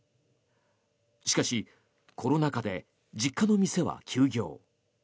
しかし、コロナ禍で実家の店は休業。